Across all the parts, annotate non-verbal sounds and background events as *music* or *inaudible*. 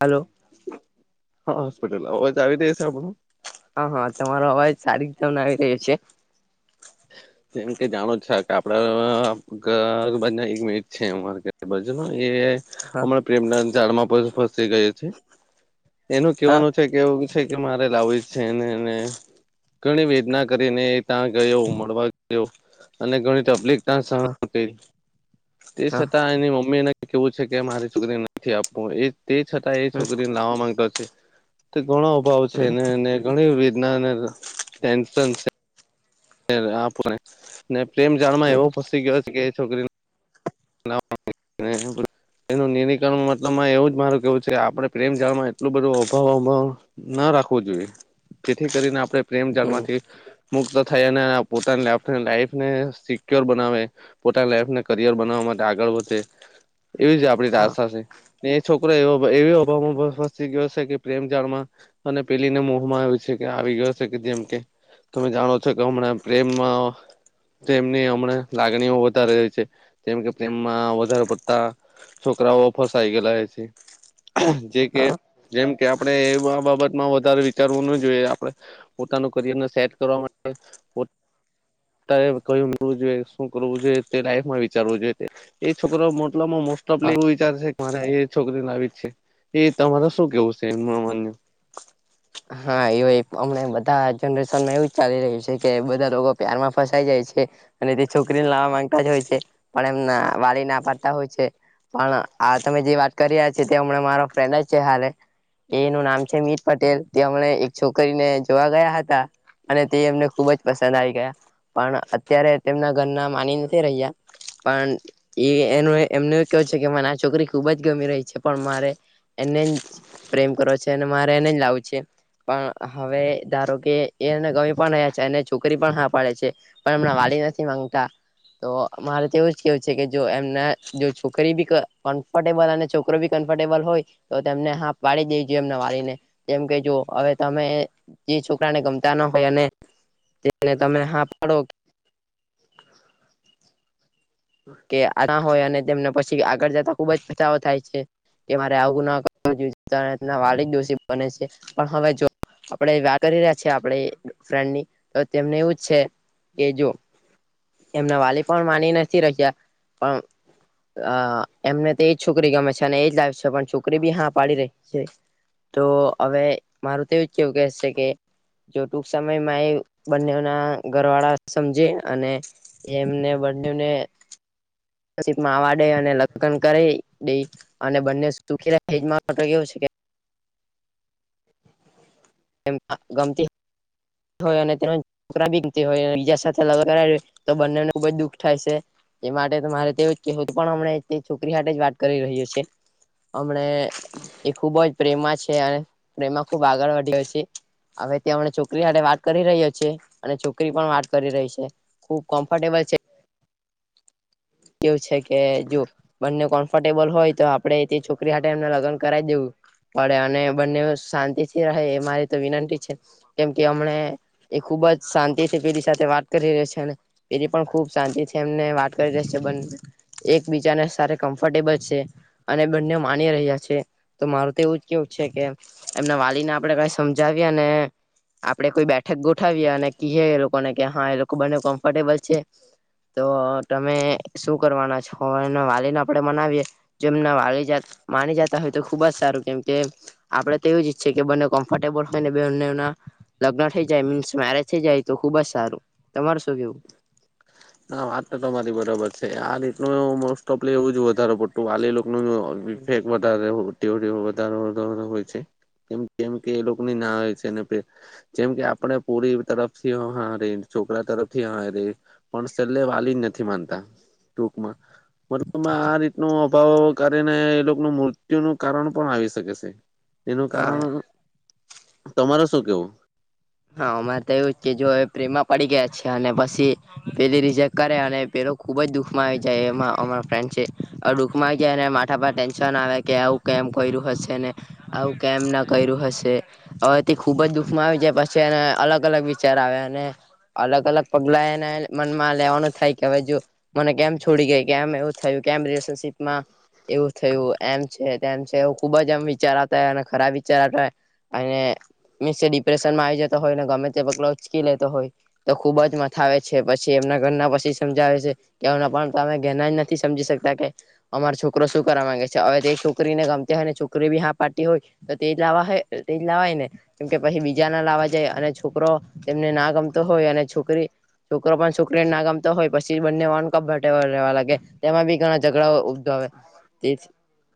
Hello હા hospital અવાજ આવી રહ્યું છે આપણું હા હા તમારો અવાજ સારી રીત ને આવી રહ્યો છે જેમ કે જાણો છ કે આપડજ *unintelligible* એક મિનિટ છે. જ *unintelligible* એ હા હમણાં પ્રેમના ઝાડમાં પણ જે કઈ હશે *unintelligible* એનું હા કેવાનું છે કે એવું કે મારે લાવી છે, અને ને ઘણી વેદના કરીને એ ત્યાં ગયો ઉમવા *unintelligible* અને ઘણી તકલીફતા સહન હા કરી. તે હા છતાં એની મમ્મીને કેવું છે, કે મારી છોકરી નથી આપવું એને તે છતાં એ હમ છોકરીને લાવવા માંગતો છે, તે ઘણો અભાવ છે. એનેને *unintelligible* ઘણી વેદના અને ટેન્શન છે. આપને પ્રેમ જાળમાં હમ હમ એવો ફસી ગયો છે કે છોકરી નુ એનું નિરીકરણ મતલબમાં એવું જ હોવો જોઈએ. જેથી કરીને આપણે પ્રેમ હમ જળમાંથી મુક્ત થાય અને પોતાની લાઈફને સિક્યોર બનાવે, પોતાની લાઈફને કરિયર બનાવવા માટે આગળ વધે એવી જ આપડી તો હા આશા છે, ને એ છોકરો એવી *unintelligible* અભાવ મા ગયો છે, કે પ્રેમ જાળમાં અને પેલીને મોહમાં આવી ગયો છે, કે આવી ગયો છે, કે જેમ કે તમે જાણો છો કે હમણાં પ્રેમમાં તેમની હમણાં લાગણી તેમમાં વધારે પડતા છોકરાઓ ફસાય ગયેલા હોય છે. જે કે હા જેમ કે આપડે આ બાબતમાં વધારે વિચારવું ન જોઈએ. આપણે પોતાનું કરિયર સેટ કરવા માટે *inaudible* કયું મેળવું જોઈએ? શું કરવું જોઈએ? તે લાઈફમાં વિચારવું જોઈએ. એ છોકરો મતલબ મા હા મોસ્ટોપલી એવું વિચાર છે, કે મારે એ છોકરી લાવી જ છે, એ તમારે શું કેવું છે, એ માન *unintelligible* હા, એ અમને બધા જનરેશન માં એવું જ ચાલી રહ્યું છે, કે બધા લોકો પ્યારમાં ફસાય જાય અને તે છોકરીને લાવવા માંગતા જ હોય છે, પણ એમ વાલી ના પાડતા હોય છે. પણ આ તમે જે વાત કરી રહ્યા છે, તે હમણાં મારો ફ્રેન્ડ જ છે, હાલે એનું નામ છે, મીત પટેલ તે હમણા એક છોકરીને જોવા ગયા હતા. અને તે એમને ખુબ જ પસંદ આવી ગયા પણ અત્યારે તેમના ઘરના માની નથી રહ્યા પણ એનું એમને કેવું છે, કે મને આ છોકરી ખુબ જ ગમી રહી છે, પણ મારે એને જ પ્રેમ કરો છે, અને મારે એને જ લાવું છે. પણ હવે ધારો કે એ એને ગમી પણ ગયા છે છોકરી પણ હા પાડે છે. પણ એમના વાળીવાસી વાંગતા *unintelligible* તો મારે તો એવું જ કેવું છે કે જો એમના જો છોકરી બી કમ્ફર્ટેબલ અને છોકરો બી *inaudible* કમ્ફર્ટેબલ હોય તો તેમને હા પાડી દેવી જોઈએ એમના વાલીને કેમ કે જો હવે તમે જે છોકરાને ગમતા ન હોય અને તેને તમે હા પાડો *inaudible* કે આ ના હોય અને તેમને પછી આગળ જતા ખુબ જ પચાવો થાય છે. કે મારે આવું ના કરવું જોઇએ વાલી દોષી બને છે પણ હવે *inaudible* આપણેે વા કરી રહ્યા છેએ આપણે ફ્રેન્ડની તો તેમને એવું જ છે કે જો એમના વાલી પણ માની નથી રહ્યા પણ અ એમને તો એજ છોકરી ગમે છે અને એજ લાવેશે પણ છોકરી બી હા પાડી રહી છે. તો હવે મારું તો એવું જ કેવું કે છે કે જો ટૂક સમય મા એ બન્નેવના ઘર વાળા સમજે અને એમને એમને પછી માંવાડે અને લટકન કરતી *unintelligible* દઈ અને બંને સુખી હેજમાં કેવું છે કે હા *unintelligible* ગમતી હોય અને તેનો છોકરા બી હોય બીજા સાથે લગન કરે હોય તો બંનેને ખુબજ દુખ થાય શે. તે માટે મારે તેવુ જ કેવું છે પણ હમ તે છોકરી હાતે જ વાત કરી રહ્યો છે. હમણા એ ખુબ જ પ્રેમ માં છે. પ્રેમમાં ખુબ આગળ વધ્યો છે હવે તે હમને છોકરી વાત કરી રહ્યો છે. છે અને છોકરી પણ વાત કરી રહી છે ખુબ કમ્ફર્ટેબલ છે. કેવું છે કે જો બંને કોમ્ફર્ટેબલ હોય તો આપડે તે છોકે રિ હાથે એમને લગન કરાવી દેવું. પડે અને બંને શાંતિ થી રહે એ મારી તો વિનંતી છે કેમ કે અમને ખૂબ ખુબ જ શાંતિ થી પેલી સાથે વાત કરી ર છે પેલી પણ ખુબ શાંતિ થી એમને વાત કરી રહિ છે. એક બીજાને સારે કમફર્ટેબલ છે અને બંને માની રહ્યા છે. મારું તો એવું જ કેવું છે કે એમના વાલીને આપડે કઈ સમજાવીએ ને આપડે કોઈ બેઠક ગોઠવીએ અને કીએ એ લોકોને કે હા એ લોકો બને કમ્ફર્ટેબલ છે. તો તમે શું કરવાના છો એ વાલીને આપડે મનાવીએે. જેમના વાલી જ માની જતા હોય તો ખુબ જ સારું કેમ કે આપડે તો એવ જ ઈછીએ કે બન્નેવ કોમ્ફર્ટેબલ હોય ને બન્નેવ ના લગ્ન થઈ જાય મીન્સ મેરેજ થઈ જાય. તો ખુબ જ સારું તમાર શું કેવું? ના વાત તો તમારી બરાબર છે આ રીતનું મોસ્ટ ઓફ એવુંજ વધારે પડતું વાલી લો નું *unintelligible* વધારે તેવું તેવું વધારા હોય છે. જેમ કે એ લોકોની ના હો છે એના પર જેમ કે આપડ પુરી તરફથી હા હા રે. છોકરા તરફથી હ રેય પણ છેલ્લે વાલી જ નથી માનતા ટૂકમાં. મતલબમાં આ રીતનો અભાવ કરીને એ લોકોનું મૃત્યુ ન કારણ પણ આવી શકે છે. તેનું હા કારણ તમાર શું કેવું? હા અમારે તો એવું જો કે જો એ પ્રેમ માં પડી ગયા છે અને પછી પેલી રીજેક્ટ કરે અને પેલો ખુબ જ દુખમાં આવી જાય એમાં અમારા ફ્રેન્ડ છે દુખમાં આવી જાય માથા પર ટેન્શન આવે કે આવુ કેમ કર્યું હશે ને આવું કેમ ના કર્યું હશે હવે થી ખુબ જ દુખમાં આવી જાય પછી એને અલગ અલગ વિચાર આવે અને અલગ અલગ પગલા એને મનમાં લેવાનું થાય કે હવે જો મને કેમ છોડી ગઈ કે એમ એવું થયું કેમ રિલેશન શિપ માં એવું થયું એમ છે તેમ છે એ ખુબ જ એમ વિચારાતા હો અને ખરાબ વિચારતા હોય. અને મીન્સ ડિપ્રેશન માં આવી જાય. હો ને ગમે તે પગલો ઉચકી લેતો હોય તો ખુબ જ મથા આવે છે પછી એમના ઘરના પછી સમજાવે છે. કે પણ તમે ઘેના જ નથી સમજી શકતા કે અમારો છોકરો શું કરવા માંગે છે હવે તે છોકરીને ગમતી હોય ને છોકરી બી હા પાર્ટી હોય તો તેજ લાવવાય તે લાવવાય ને કેમ કે પછી બીજા ના લાવવા અને છોકરો એને ના ગમતો હોય અને છોકરી છોકરો પણ છોકરીને ના ગમતો હોય પછી બંને વા કપ રહેવા લાગે તેમાં બી ઘણા ઝઘડાઓ ઉદગવે તે જ.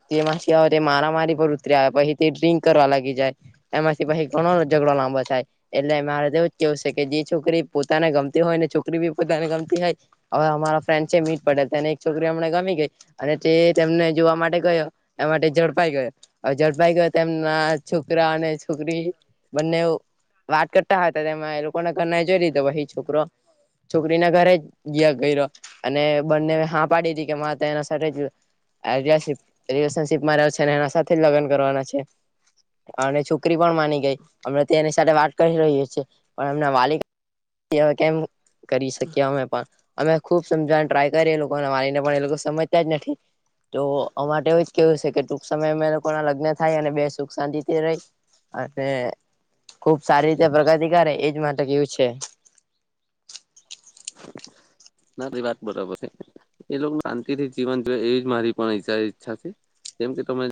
તેમાંથી મારા મારી પર ઉતરી આવે પછી તે ડ્રિંક કરવા લાગી જાય એમાંથી પછી ઘણો ઝધડો. લાંબો થાય. એટલે મારે તોવું કેવું છે, કે જે છોકરી પોતાને ગમતી હોય ને છોકરી બી પોતાને ગમતી હોય આવા ફ્રેન્ડ છે, મીટ પડલ તેને એક છોકરી અમને ગમી ગઈ અને તે તેમને જોવા માટે ગયો એ ઝડપાઈ ગયો હવે ઝડપાઈ ગયો તેમ અ છોકરા અને છોકરી બંનેવ વાત કરતા હો હતા તેમાં એ લોકોને ઘરના જોઈ લીધોઈ છોકરો છોકરીના ઘરે ગિયા કર્યો અને બંને હા પાડી હતી કે મા તો એના સાથે જ આડીયાશીપ રિલેશનશીપમાં છે ને એના સાથે જ લગ્ન કરવાના છે. અને છોકરી પણ માની ગઈ અમમે તે એની સાથે વાત કરી રહી છીએ પણ એમના વાલિ *unintelligible* કેમ? કરી શકીએ અમે પણ અમે ખુબ સમજવાને ટ્રાય કરી એ લોકોને મારીને પણ એ લોકો સમજતા જ નથી. તો અમા માટે એવું જ કેવું છે, કે ટૂંક સમય અ લોકો ના લગ્ન થાય અને બે સુખ શાંતિથી રેય. હે ખુબ સારી રીતે પ્રગતિ કરે એજ માટે કેવું છે. બધી વાત બરાબર છે. એ લોકો શાંતિ થી જીવન જવે એવી જ મારી પણ ઈચ્છા છે જેમ કે તમે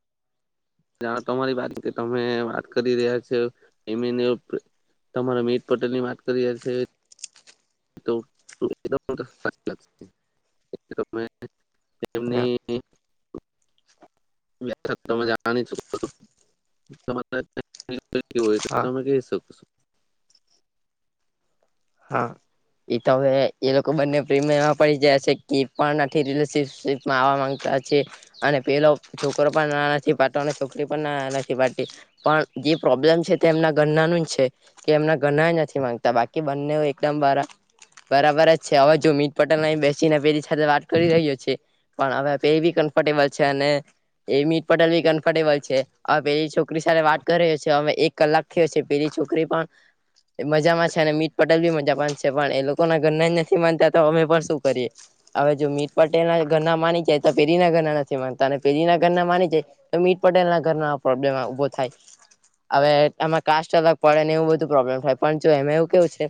જા તમારી વાત કે તમે વાત કરી રહ્યા છો *unintelligible* તમારા મીત પટેલ ની વાત કરી છે. તો ત *inaudible* હા એમની તમે જાણો છો. કેવ હોય હા તમે કહી શક છો. હા એ તો હવે એ લોકો બંને પ્રેમમાં પડી જાય છે કે પણ નથી રિલેશનશીપમાં આવવા માંગતા અને પેલો છોકરો પણ ના નથી પાડતો અને છોકરી પણ ના નથી પાડતી પણ. એ પ્રોબ્લેમ છે તે એમના ગરના નું જ છે કે એમના ઘરના નથી માનતા બાકી બંને હોય એકદમ બાર બરાબર જ છે હવે જો મીટ પટેલ બેસીને પેલી સાથે વાત કરી રહ્યો છે. પણ હવે પે એ બી કમ્ફર્ટેબલ છે અને એ મીત પટેલ બી કમ્ફર્ટેબલ છે પેલી છોકરી સાથે વાત કર્યો છે, હવે એક કલાક થયો છે, પેલી છોકરી પણ મજામાં છે ને પટેલ બી મજા માં જ છે પણ એ લોકો ના ઘરના જ નથી માનતા તો અમે પણ શું કરીએ હવે જો મીત પટેલ ઘર ના માની જાય તો પેલી ના ઘરના નથી માનતા અને પેલી ના ઘરના માની જાય તો મીત પટેલ ના ઘરના પ્રોબ્લેમ ઉભો થાય હવે એમાં કાસ અલગ પડે ને એવું બધું પ્રોબ્લેમ થાય પણ જો એમે એવું કેવું છે.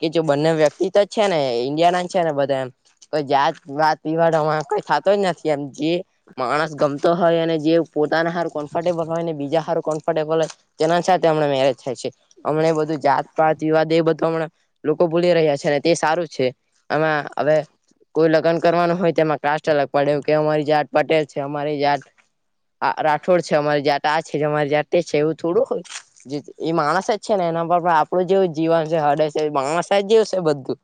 કે જો બંને વ્યક્તિ તો જ છે ને ઇન્ડિયા ના જ છે, ને બધા એમ કોઈ જાત વાત પીવાળમાં કઈ થતો જ નથી એમ જે માણસ ગમતો હોય અને જે પોતાના હારું કમ્ફર્ટેબલ હોય ને બીજા હારું કમ્ફર્ટેબલ હોય તેના સાથે મેરેજ થાય છે હમને બધું જાત પાત વિવાદ એ બધુ હમણા લોકો ભૂલી રહ્યા છે ને તે સારું છે એમાં હવે કોઈ લગ્ન કરવાનું હોય તો એમાં કાસ્ટ અલગ પડે કે અમારી જાટ પટેલ છે અમારી જાત આ રાઠોડ છે અમારી જાત આ છેમારે જા તે છે એવું થોડું હોય એ માણસ જ છે ને એના પર પણ આપણું જેવ જીવન છે હડે છે. માણસાહે જેવું છે બધું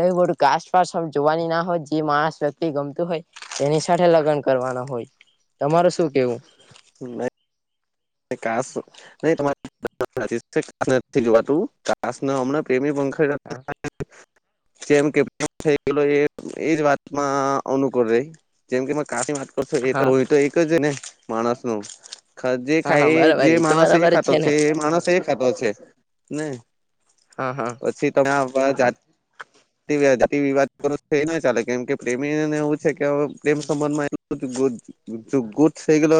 ક‌ઈ બધું કાસપાસ જોવાની ના હોય જે માણસ વ્યક્તિ ગમતું હોય તેની સાથે લગ્ન કરવાનું હોય તમાર શું કેવું *inaudible* *inaudible* તું કાસમણાને પ્રેમી વંશ હા *inaudible* જેમ કે થઈ ગય એ એજ વાતમાં અનુકૂળ રહી જેમ કે કા વાત કરશો એ તો હા તો એક જ ને માણસ ન હા ખાય બરાબર જે તો માણસ એ બરાબર જ ખાતો ને છે માણસ એ. ને હા હા પછી તમે. હા. વી વાત કરો થઈ ને ચાલે કેમ કે પ્રેમીને એવું છે કે પ્રેમ સંબંધમાં ગટ ગુટ થે ગલો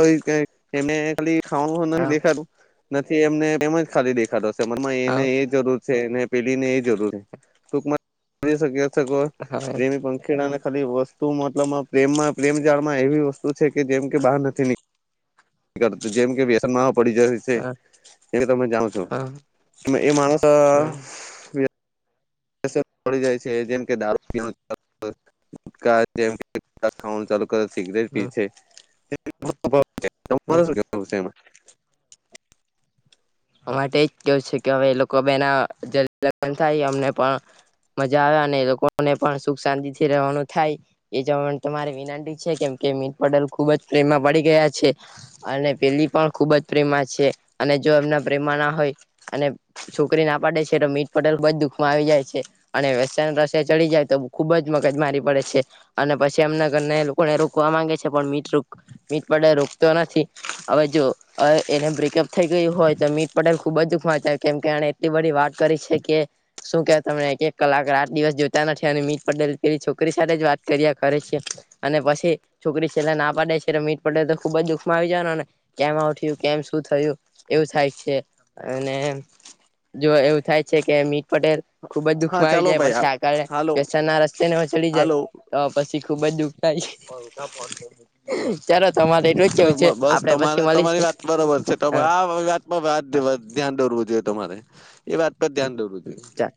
હમ ખાલી ખા હ હા દેખાું. *inaudible* *unintelligible* નથી એમને એમજ ખાલી દેખાડો હશે મનમાં એને હા એ જરૂર છે ને પેલી ને એ જરૂરી ટૂંકમાં હવે પ્રમી પંખીડાને ખાલી વસ્તુ મતલબ પ્રેમમાં પ્રેમ જાળમાં એવી વસ્તુ છે કે જેમ કે બહાર નથી નીકળતી જેમ કે વ્યસનમાં હા હા હમ *unintelligible* જાય છે જેમ કે દારૂ જે *inaudible* ચાલુ. સિગરેટ પી હમ. કે *inaudible* હમ અ માટે એજ કેવું છે કે હવે એ લોકો બેના જ થાય અમને પણ મજા આવે અને લોકોને પણ સુખ શાંતિ થી રહેવાનું થાય એ જવા તમારે વિનંતી છે કે કે મીત પટેલ ખુબ જ પ્રેમમાં પડી ગયા છે અને પેલી પણ ખુબ જ પ્રેમમાં છે અને જો એમના પ્રેમમાં ના હોય અને છોકરી ના પાડે છે તો મીટ પટેલ બ જ દુખમાં આવી જાય છે અને ર ચડી જાય તો ખુબ જ મગજ મારી પડે છે અને પછી એમના ઘર એ લોકોને રોકવા માંગે છે પણ મ મીટ પડ રોકતો નથી હવે જો એને બ્રેકઅપ થઈ ગયું હોય મીટ પટેલ ખુબ જ દુખ કેમ કે એ એટલી બધી વાત કરી છે કે શું કે તમને એક એક કલાક આ દિવસ જોતા નથી અને મીટ પે પે છોકરી સાથે જ વાત કરી્યા કરે છે અને પછી છોકરી પલા ના પાડી ડે છે મીત પટેલ તો ખુબ જ દુખમાં આવી જવાનો ને કેમ આવઠયું કેમ શું થયું એવું થાય. અને જો એવું થાય છે કે મીટ પટેલ ખુબ જ હા દુખમાં આવી ચાલો જાય ભાઈ પછી આળ હાલો પસન ના રસ્તે ને ચડી જાય હાલો તો પછી ખુબ જ દુઃખ થાય. ચાલો તમારે એટલું જ ચલો કેવું છે બસ આપડે પછી તમારે તમારી મળીશું વાત બરોબર છે તો હા આ વાત હા ધ્યાન દોરવું જોઈએ તમારે એ વાત પર ધ્યાન દોરવું જોઈએ. ચાલ